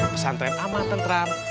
pesan tren aman tentram